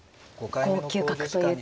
５九角という手。